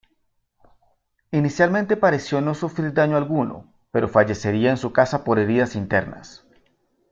Inicialmente pareció no sufrir daño alguno, pero fallecería en su casa por heridas internas.